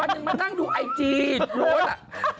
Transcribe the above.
วันนึงมานั่งดูไอจีดรู้ล่ะ